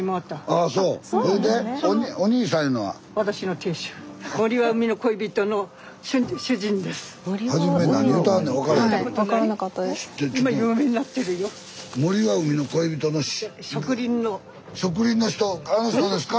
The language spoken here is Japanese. あの人ですか？